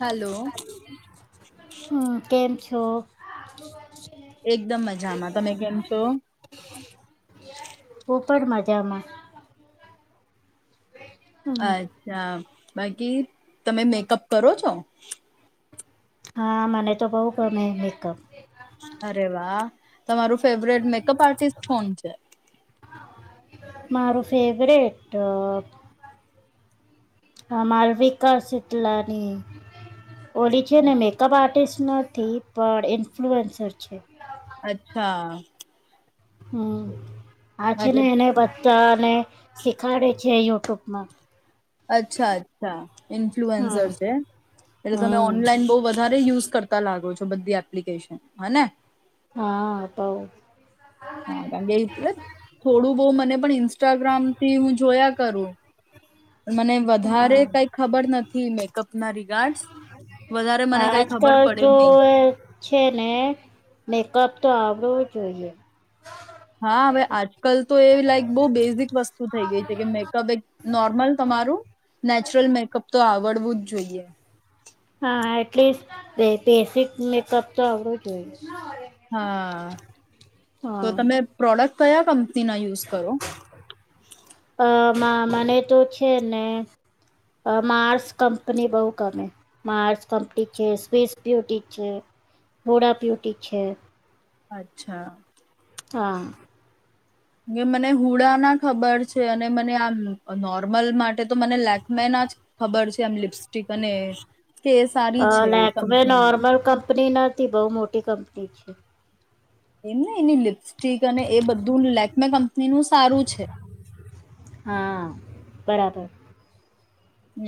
Hello. લો. એકદમ મજામાં. તમે કેમ છો? હું પણ માજામાં. અચ્છા. [unintelligible] તમે મેકઅપ કરો છો? હા, મને તો બહું ગમે હે મેકઅપ. અરે વાહ! તમારું ફેવરેટ મેકઅપ આર્ટિસ્ટ કોન છે? મારું ફેવરેટ અહ માલવિકા શીતલાની. ઓલી છેને મેકઅપ આર્ટિસ્ટ નથ થી પણ ઇન્ફ્લુએન્સર છે. અચ્છા. હમ્મ. હા છે ને, એટલે એને [unintelligible] તા અને શીખાડે છે [unintelligible] [unintelligible] અચ્છા-અચ્છા. હમ ઇન્ફ્લુઅન્ઝર છે, એટલે તમે હમ ઓનલાઈન બહું વધારે યુઝ કર તા લાગો છો બધી એપ્લિકેશન, હ ને? હા બહું. હા કારણ કે ઈ એટલે થોડું બહું મને પણ ઇન્સ્ટાગ્રામ થી હું જોયા કરું. પન મને વધારે હા કંઈ ખબર નથી મેકઅપ મારી [unintelligible] હા આજકાલ તો નહી એ છે ને, મેકઅપ તો આવડવું જોઈએ. હા, હવે આજકાલ તો એવી લાઈક બહુ બેઝિક વસ્તુ થઈ ગઈ છે કે મેકઅપ એક નોર્મલ તમારું નેચરલ મેકઅપ તો આવડવું જ જોઈએ. હા, એટલીસ્ટ બે બેઝિક મેકઅપ તો આવડવું જ જોઈએ. હા. તો હા તમે પ્રોડક્ટ કયા કંપની ના યુઝ કરો? અ મા મને તો છે ને, અહ માર્સ કંપની બહુ ગમે, માર્સ કંપની છે, સ્વિસ બ્યુટી છે, [unintelligible] બ્યુટી છે. અચ્છા. હા. ગે મને હુડા ના ખબર છે અને મને આમ નોર્મલ માટે તો મને લેકમે ના જ ખબર છે. આમ લિપ્સ હા, એ લેકમે કંપનીની. નોર્મલ કંપની નથી, બહું મોટી કંપ ની છે. એમ ને એની લિપસ્ટિક અને એ બધું લેકમે કંપ ની નું સારું છે. હા બરાબર.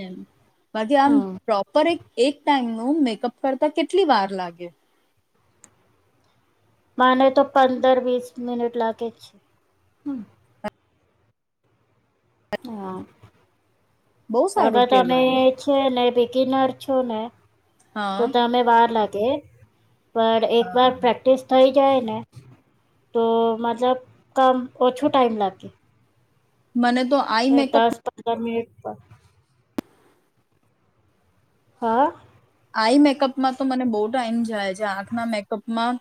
એમ. બાકી આમ હમ પ્રોપર એક-એક ટાઈમ નું ઓમ મેકઅપ કરતા કેટલી વાર લાગે? મને તો પંદર વીસ મિનિટ લાગે જ, હમ્મ. બહુ હા. તો સારું તમે કેહેવાય છે ને બિગીનર છો ને? તો હા તમે વાર લાગ ગે. પણ એક વાર પ્રેક્ટિસ થઈ જાય ને તો મતલબ કમ ઓછું ટાઈમ લાગે. મને તો આઈ હે, મેકઅપ દસ પંદર મિનિટ [unintelligible] હા? તે આંખના મેકઅપમાં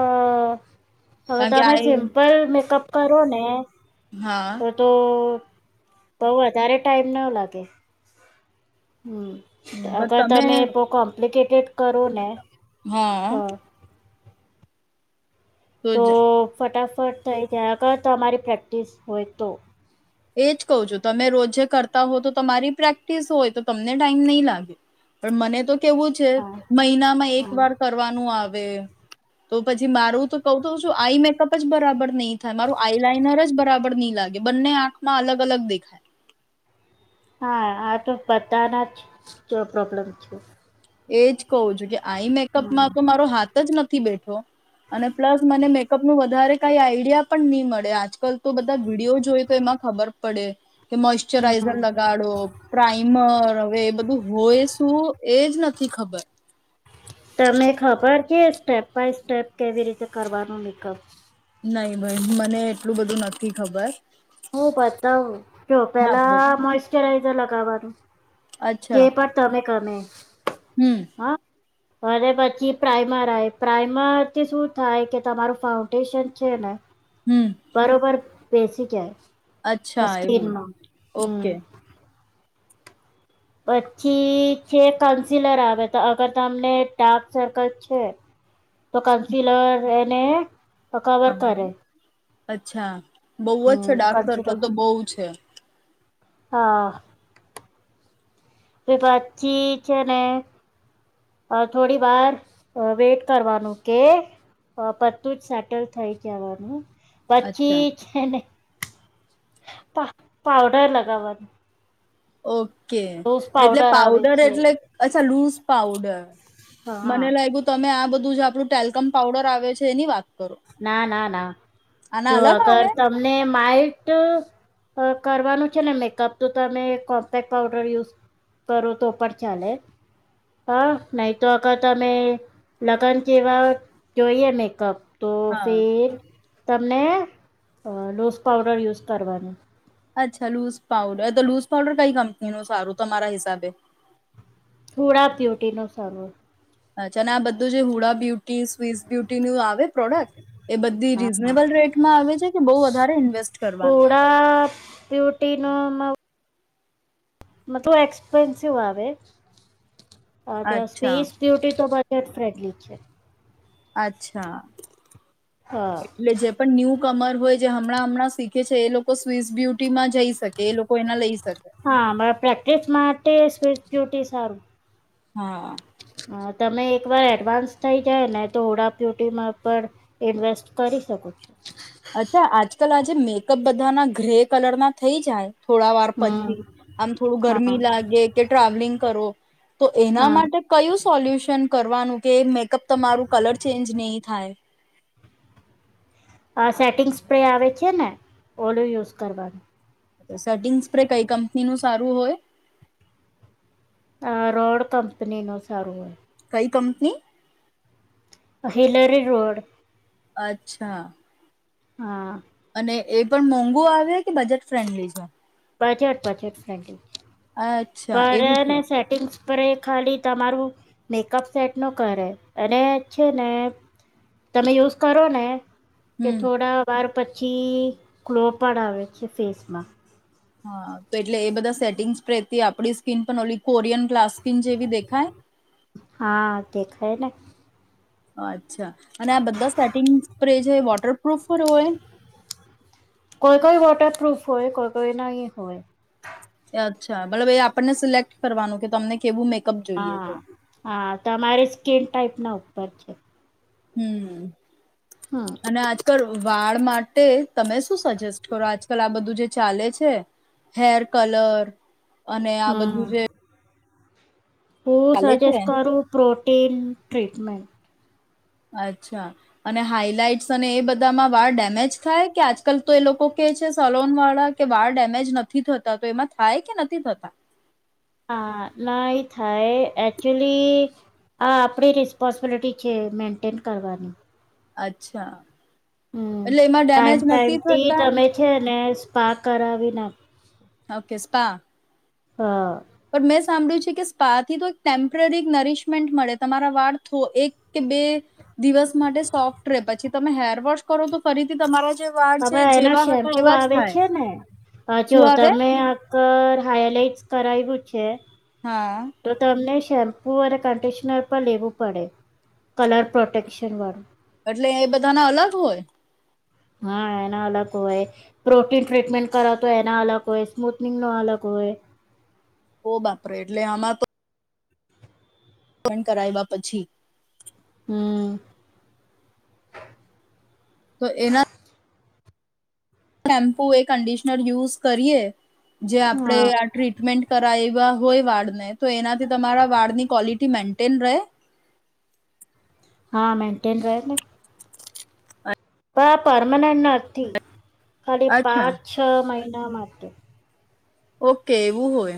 અહ હવે કારણ કે તમે આઈ સિમ્પલ મેકઅપ કરો ને હા તો-તો બહું વધારે ટાઈમ ન લાગે. હમ્મ. હમ, પણ અગર તમે બોવ કોમ્પ્લિકેટ કેટ કરો ને હા. તો ફટાફ ફટ થઈ જાય અગર તમારી પ્રેક્ટિસ હોય તો. એજ કહું છું, તમે રોજે કરતા હોવ તો તમારી પ્રેક્ટિસ હોય તો તમને ટાઈમ નહીં લાગે, પણ મને તો કેવું છે, હા મહિનામાં એક હા વાર કરવાનું આવે હવે તો પછી મારું તો કહું તો છું આઈ મેકઅપ જ બરાબર નહીં થાય, મારું આઈ લાઈનર જ બ બરાબર નહીં લાગે, બંને આંખ માં અલગ-અલગ દેખાય. હા. આ તો બધાના જ જ પ્રોબ્લેમ છે. એજ કહું છું કે આઈ મેકઅપ માં તો મારો હાથ જ નથી થી બેઠો, અને પ્લસ મને મેકઅપ નુ વધારે કંઈ આઈડિયા પણ ની મળે, આજકાલ તો બધા વિડીયો જોઈ તો એમાં ખબર પડે. કે મોઈસ્ચ્યુરાઈઝર લગાડો, પ્રાઈમર હવે એ બધું હોય શું એજ નથ થી ખબર. તમે ખબર છે સ્ટેપ બાય સ્ટેપ કેવી રીતે કરવાનું મેકઅપ? નહીં ભઈ મને એટલું બધું નથી ખબર. હું બતાઉં, જો હા બોલો પહેલાં મોઈશ્ચરાઈઝર લગ ગાવાનું. જે પણ તમે ગમે. હમ્મ. હા અને પછી પ્રાઈમર આવે, પ્રાઈમરથી શું થાય કે તમારું ફાઉન્ડેશન છે ને હમ બરોબર. બેસી જાય. અચ્છા, એવું. સ્કિનમાં હમ ઓકે. પછી છે કન્સિલર આવે, તો અગર તમને ડાર્ક સર્કલ છે, તો કન્સિલર એને તો હા કવર કરે. અચ્છા. બહું જ છે, હમ ડાર્ક સર્કલ કન્સીલર તો બહુ છે. હા. એ પછી છે ને અહ થોડી વાર અહ વેટ કરવાનો કે પતું જ સેટલ થઈ જવાનું. અચ્છા પછી છે ને પા પાવડર લગાવત ઓક કે, એટલે આવે પાવડર છે એટલે અચ્છા લુઝ પાવડર. હા મને લાગ્યું તમે આ બધ ઝ આપણું ટેલકમ પાઉડર આવે છે એની વાત કરો ના, ના, ના આના જો અલગ અગર આવે તમને માઈ ઈટ કરવાનું છે ને મેકઅપ તો તમે કોમ્પેક્ટ પાઉડર યુઝ કરો તો પણ ચાલે, હા, નહીં તો આગર તમે લગ્ન જેવા જોઈએ મેકઅપ તો હા ફેર ત ને અહ લૂઝ પાઉડર યુઝ કરવાનું. અચ્છા લુઝ પાઉડર, તો લુઝ પાઉડર કઈ કંપની નું સારું તમારા હિસાબે? હુડા બ્યુટી નું સારો આવે. અચ્છા. અને આ બધું જે Huda beauties, Swiss beauty નું આવે પ્રોડક્ટ, એ બધી હા. રીઝનેબલ રેટમાં આવે છે કે બહું વધારે ઇન્વેસ્ટ કરવાનું? નો અમાઉ મતો એક્સપેન્સિવ આવે. અહ ત્યાં અચ્છા સ્વીઝ બ્યુટી તો [unintelligible] [unintelligible] ફ્રેડલી છે. અચ્છા. હા. એટલે જે પણ ન્યુ કમર હોય જે હમણાં હમણાં શીખે છે એ લોકો સ્વીસ બ્યુટીમાં જઈ શકે એ લોકો એના લઈ શકે. હા, અમારા પ્રેક્ટિસ માટે સ્વીસ બ્યુટી સારું. હા. હા તમે એકવાર એડવાન્સ થઈ જાય ને તો હુડા બ્યુટીમા પણ ઇન્વેસ્ટ કરી શકો છો. આજકલ આજે મેકઅપ બધા ના ગ્રે કલર ના થઈ જાય. થોડા વાર હમ્મ, પછી આમ થોડું હા. ગરમી લાગે કે ટ્રાવેલિંગ કરો તો એના હા માટે કયું પોલ્યુશન કરવાનું કે મેકઅપ તમારું કલર ચેન્જ નહી થાય. આ સેટિંગ સ્પ્રે આવે છે ને ઓલું યુઝ કરવાનું. સેટિંગ સ્પ્રે કઈ કંપની નું સારું હોય. આ રોડ કંપનીનુ સારું હોય. કંઈ કંપની? અ હિલરી રોડ. અચ્છા. હા. અને એ પણ મોંઘુ આવે કે બજેટ ફ્રેન્ડલી છે. Budget budget friendly. અચ્છા એવું પણ છે સેટિંગ્સ પર એ ખાલી તમારું મેકઅપ સેટ નો કરે અને છે ને તમે યુઝ કરો ને કે હમ થોડા વાર પ પછી ગ્લો પણ આવે છે ફેસમાં. હા તો એટલે એ બધા સેટિંગ્સ પ્ર આપણી સ્કીન પણ ઓલ કોરિયન ક્લાસ્કીિન જેવી દેખાય હા દેખાય ને આ ચ્છા અને આ બધા સેટિંગ પર એ છે વોટરપૂફ પર હોય પ્રૂફ હોય કોય કોય નહીં હોય અચ્છા બલબ એ આપણને સિલેક્ટ કરવાનું કે તમને કેવું મે હા હા તમારી સ્કીન ટાઈપ ના ઉપર છે હમ હમ્મ અને આજકાલ વાળ માટે તમે શું સજેસ્ટ કરો આજકાલ આ બધું જે ચાલે છે હેર કલર અને આ હમ બધું જે હું ચાલે છે સજેસ્ટ કરું પ્રોટીન ટ્રીટમેન્ટ અચ્છા અને હાઈલાઈટ્સ અને એ બધામાં વાળ ડેમેજ થાય કે આજકાલ તો એ લોકો કે છે સલોનવાળા કે વાર ડેમેજ નથી થતા તો એમાં થાય કે નથી થતા હા ના એ થાય એકચુલી આ આપણી રિસ્પોન્સબિલિટી છે મેન્ટેન કરવાની અચ્છા હમ્મ એટલે એમાં ટાઈમ ડેમેજ ટાઈમ નથી થી થતા? તમે છે ને સ્પા કર વિના ઓકે સ્પા હા પણ મેં સાંભળ્યું છે કે સ્પા થી તો એક ટેમ્પરરી નરીશમેન્ટ મળે તમારા વાળ એક કે બે દિવસ માટે સોફ્ટ રહે પછી તમે હેર વોશ કરો તો ફરીથી તમારે હવે એનો શેમ્પુ આવે છે ને હ અ જો શું આવે? તમે આ કર હાઈલાઈટ કરાઈવું છે હા તો તમને શેમ્પુ અને કંડીશનર પર લેવું પડે કલર પ્રોટેશન વાળું એટલે એ બધા ના અલગ હોય હા એના અલગ હોય પ્રોટીન ટ્રીટમેન્ટ કરા તો એના અલગ હોય સ્મૂથનિંગ નો અલગ હોય ઓ બાપરે એટલે આમાં તો કરાવ્યા પછી હમ્મ તો એના શેમ્પુ એ કન્ડિશનર યુઝ કરીએ જે હા આપણેે આ ટ્રીટમેન્ટ કરાય એવી હોય વાળને તો એનાથી તમારા વાળની ક્વોલિટી મેન્ટેન રહે હા મેનન્ટેન રહે પર આ પરમાનેન્ટના નથી ખાલી અચ્છા પાંચ છ મહિના ના માટે ઓકે એવું હોય.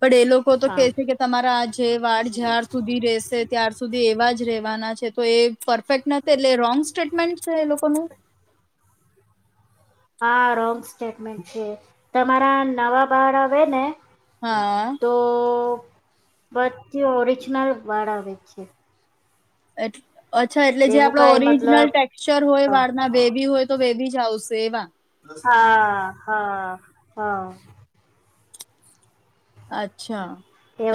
પડ એ લોકો તો કે હા છે કે તમારા આ જેે વાળ જ્યાર સુધી રેશે ત્યાર સુધી એવા જ રેવાના છે તો એ પરફેક્ટ નથી એટલે રોંગ સ્ટેટમેન્ટ છે એ લોકોનું. હા રોન્ગ સ્ટેટમેન્ટ છે. તમારા નવા બાર આવે ને. હા. બંઘી ઓરિજનલ વાળ આવે છે. એટ. અચ્છા એટલે જે એવું આપડો કઈ ઓરિજનલ મતલબ ટેક્ચર હોય હા વાળના બેેબી હોય. તો બેેબી જ આવશે વા. હા. હા હા. અચ્છા.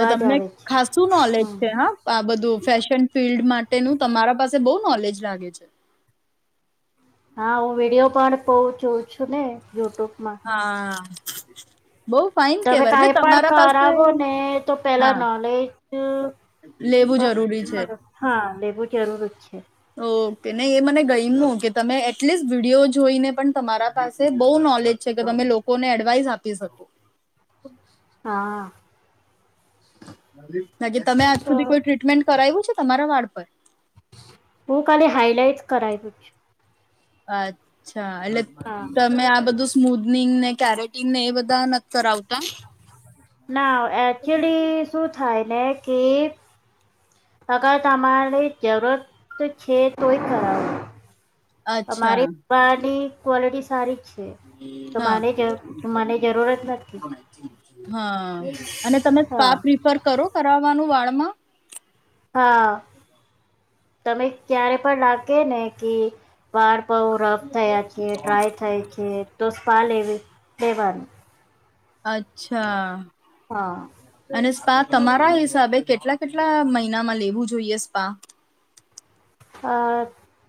એ જ તમને આવે છે ખાસું નોલેજ હમ છે હા આ બધું ફેશન ફિલ્ડ મા તેનું તમારા પાસે બઉ નોલેજ લાગે છે. આવો વિડીયો પણ પો જોઉછું ને યુટ્યુબ હા. બહુ ફાઇન તમે કેવાય એટલે કાઈ પણ તમારા પાસે કરાવો ને તો પેલા હા નોલેજ લેવું જરૂરી છે. હાલે બહુ જરૂરજ છે. ઓકે નહી એ મને ગઈમુ કે તમે એટલીસ્ટ વિડીયો જોઈને પણ તમારા પાસે બહુ નોલેજ છે કે તમે લોકોને એડવાઈસ આપી શકો. હા. હજુ તમે આજ તો સુધી કોઈ ટ્રીટમેન્ટ કરાવ્યું છે. તમારા વાળ પર. હું કાલે હાઈલાઈટ્સ કરાઈવું. અચ્છા. હા એટલે હા તમે આ બધું- સ્મૂધનિંગ ને કેરેટીન ને એ બધા ન- ના અક્ટયુઅલી શું. થાય ને કે. અગર તમારે જરૂરત છે તોય કરાવો. અચ્છા અમારી પાડી. ક્વોલિટી સારી જ. તો હા. મારે જરુ મને જરૂરત નથી. હા અને તમે હા સ્પા પ્રિફર કરો કરાવાનું વાળ હ. હા તમે ક્યારે પણ લાકે ને કે વાર બઉ રફ થયા છે ડ્રાય થાય છે તો. સ્પા લેેવી લેવાની. અચ્છા. હા અને શું સ્પા તમારા હિસાબે કેટલા-કેટલા મહિનામાં લેવું જોઈએ સ્પા? આ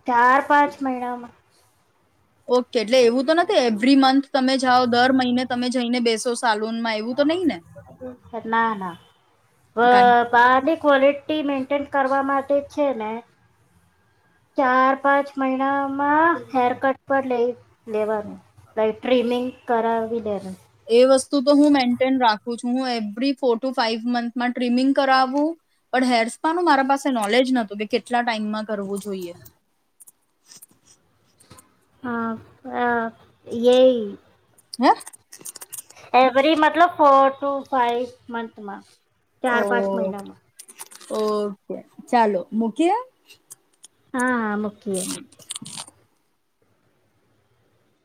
ચાર-પાંચ મહિનામાં ઓકે એટલે એવું તો નથી, એવરી મંથ તમે જાઓ, દર મહિને તમે જઈને બેસો સાાલુનમાં એવું. તો નહી ને? ના ના વ કારણ વાળ ની ક્વલિટી. ટી મેન્ટેન કરવા માટે જ છે ને ચાર-પાંચ મહિના? માં હેર કટ પર લઈ. લેવાનું, લાઈક ટ્રીમિંગ કરાવવી લે. એ વસ્તુ તો હું મેન્ટેન રાખું છું, હું એવરી ફોર ટુ ફાઈવ મંથમાં ટ્રિમિંગ કરાવું પણ હેર્સપાનું મારા પાસે નોલેજ નતું કે કેટલા ટાઈમમાં કરવું જોઈએ. હ, એ. હેં. એવરી મતલબ ફોર ટુ ફાઈવ મથમાં. ચાર-પાંચ ઓકે. મહિનામાં. ઓકે ચાલો મૂકીએ. હા. મૂકીએ [unintelligible]